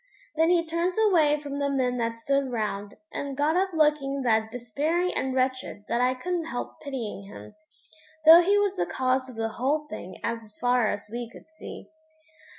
Then he turns away from the men that stood round, and got up looking that despairing and wretched that I couldn't help pitying him, though he was the cause of the whole thing as far as we could see.